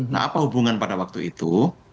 nah apa hubungan pada waktu itu